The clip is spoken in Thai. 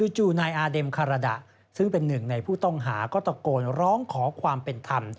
จู่นายอาเด็มคาราดะซึ่งเป็นหนึ่งในผู้ต้องหาก็ตะโกนร้องขอความเป็นธรรม